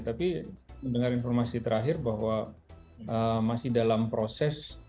tapi mendengar informasi terakhir bahwa masih dalam proses